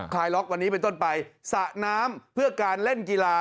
คลายล็อกวันนี้เป็นต้นไปสระน้ำเพื่อการเล่นกีฬา